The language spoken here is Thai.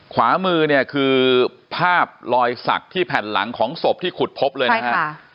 ขวามือเนี่ยคือภาพรอยสักที่แผ่นหลังของศพที่ขุดพบเลยนะฮะ